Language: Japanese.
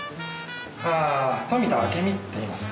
ああ富田明美って言います。